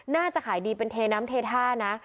น่าจะขายดีเป็นเทน้ำเทท่านะ